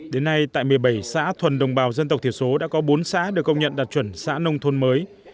đến nay tại một mươi bảy xã thuần đồng bào dân tộc thiểu số đã có bốn xã được công nhận đạt chuẩn xã nông thôn mới